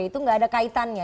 itu gak ada kaitannya